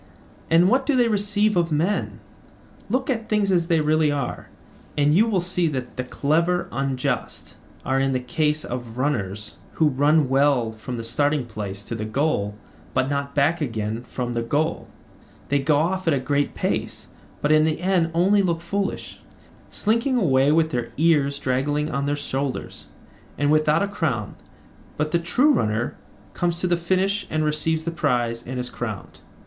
And what do they receive of men? Look at things as they really are, and you will see that the clever unjust are in the case of runners, who run well from the starting place to the goal but not back again from the goal: they go off at a great pace, but in the end only look foolish, slinking away with their ears draggling on their shoulders, and without a crown; but the true runner comes to the finish and receives the prize and is crowned.